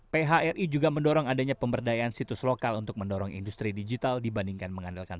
phri juga mendorong adanya pemberdayaan situs lokal untuk mendorong industri digital dibandingkan mengandalkan